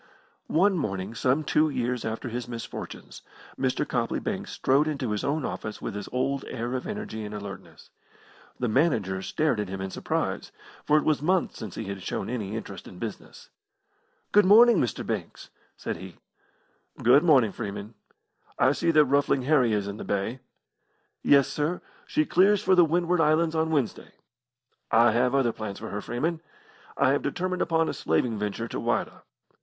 One morning, some two years after his misfortunes, Mr. Copley Banks strode into his own office with his old air of energy and alertness. The manager stared at him in surprise, for it was months since he had shown any interest in business. "Good morning, Mr. Banks!" said he. "Good morning, Freeman. I see that Ruffling Harry is in the Bay." "Yes, sir; she clears for the Windward Islands on Wednesday." "I have other plans for her, Freeman. I have determined upon a slaving venture to Whydah."